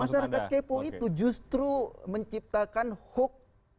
masyarakat kepo itu justru menciptakan hoax